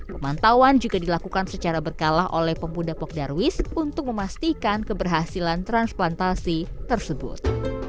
pemantauan juga dilakukan secara berkala oleh pemuda pok darwis untuk memastikan keberhasilan transplantasi tersebut